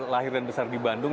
lahir dan besar di bandung